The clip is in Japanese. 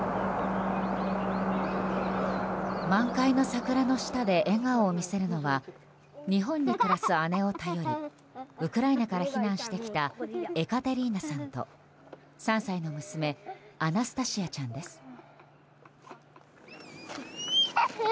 満開の桜の下で笑顔を見せるのは日本に暮らす姉を頼りウクライナから避難してきたエカテリーナさんと３歳の娘アナスタシアちゃんです。